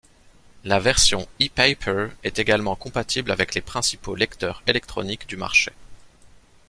La version e-paper est également compatible avec les principaux lecteurs électroniques du marché.